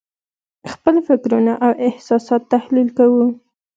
خپل فکرونه او احساسات تحلیل کوو.